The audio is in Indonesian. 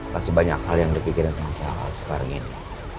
pasti banyak hal yang dipikirin sama pak al sekarang ini